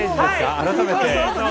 改めて。